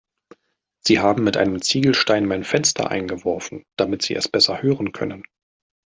Sie haben mit einem Ziegelstein mein Fenster eingeworfen, damit sie es besser hören können.